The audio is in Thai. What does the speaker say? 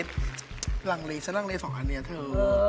ฉันรังนี้๒อันนี้เถอะ